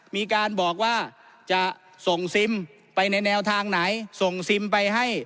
มีการบอกว่าจะส่งซิมไปในแนวทางไหนส่งซิมไปให้